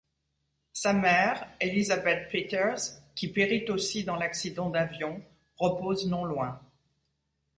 Sa mère, Elizabeth Peters, qui périt aussi dans l'accident d'avion, repose non loin.